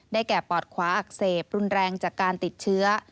แก่ปอดขวาอักเสบรุนแรงจากการติดเชื้อ